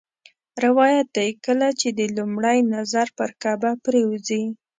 روایت دی کله چې دې لومړی نظر پر کعبه پرېوځي.